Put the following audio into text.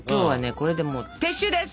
これでもう撤収です！